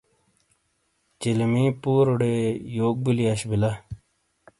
چیلمی پوروٹے یوک بیلی اش بیلا؟